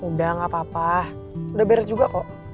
udah gak apa apa udah beres juga kok